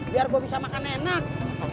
biar gue bisa makan enak